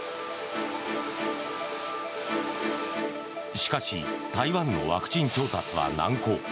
しかし台湾のワクチン調達は難航。